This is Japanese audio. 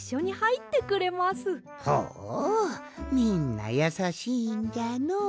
ほみんなやさしいんじゃのう。